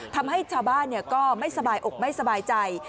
ทำให้ชาวบ้านก็ไม่สบายอกไม่สบายใจ